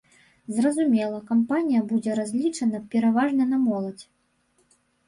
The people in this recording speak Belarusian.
Зразумела, кампанія будзе разлічана пераважна на моладзь.